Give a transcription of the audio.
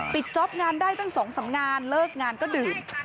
จ๊อปงานได้ตั้ง๒๓งานเลิกงานก็ดื่ม